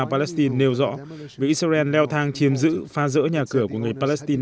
giáo palestine nêu rõ vì israel leo thang chiếm giữ pha rỡ nhà cửa của người palestine